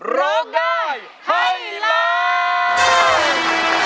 ร้องได้ไทยไลน์